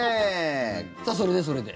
さあ、それでそれで？